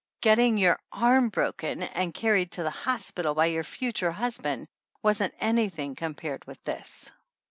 Getting your arm broken and carried to the hospital by your future husband wasn't anything to com pare with this.